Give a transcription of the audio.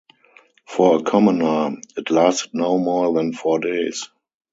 For a commoner, it lasted no more than four days.